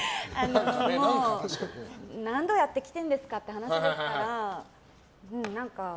何度やってきてんですかってことですからね。